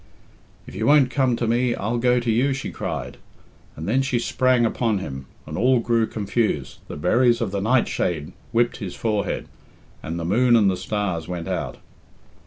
"If you won't come to me, I'll go to you!" she cried; and then she sprang upon him, and all grew confused, the berries of the nightshade whipped his forehead, and the moon and the stars went out.